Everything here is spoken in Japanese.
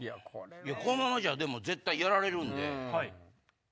このままじゃ絶対やられるんで。